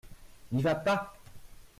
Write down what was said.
N’y va pas !